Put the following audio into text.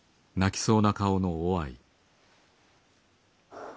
はあ。